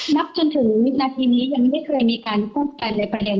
นับจนถึงวินาทีนี้ยังไม่เคยมีการพูดกันในประเด็น